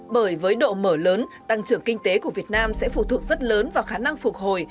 bởi với độ mở lớn tăng trưởng kinh tế của việt nam sẽ phụ thuộc rất lớn vào khả năng phục hồi